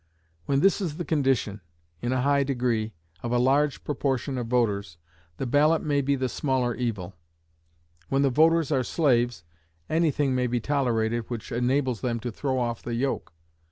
When this is the condition, in a high degree, of a large proportion of the voters, the ballot may be the smaller evil. When the voters are slaves, any thing may be tolerated which enables them to throw off the yoke.